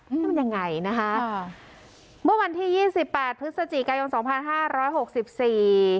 อืมมันยังไงนะคะอ่าเมื่อวันที่ยี่สิบแปดพฤศจิกายนสองพันห้าร้อยหกสิบสี่